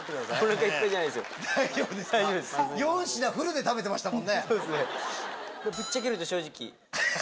４品フルで食べてましたもんね。